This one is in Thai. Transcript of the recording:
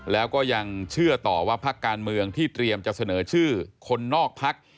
แล้วก็ยังเชื่อต่อว่าพักการเมืองที่เตรียมจะเสนอชื่อคนนอกพัก